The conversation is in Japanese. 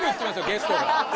ゲストが。